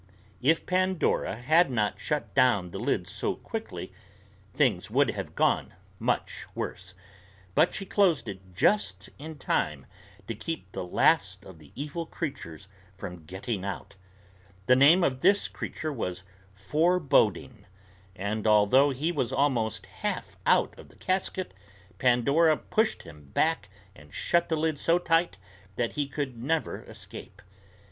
If Pandora had not shut down the lid so quickly, things would have gone much worse. But she closed it just in time to keep the last of the evil creatures from getting out. The name of this creature was Foreboding, and although he was almost half out of the casket, Pandora pushed him back and shut the lid so tight that he could never escape.